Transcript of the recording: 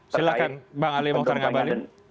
silahkan bang ali mau tanya ke bang ali